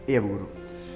iya bu guru